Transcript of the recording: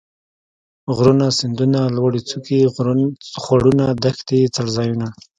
غرونه ،سيندونه ،لوړې څوکي ،خوړونه ،دښتې ،څړ ځايونه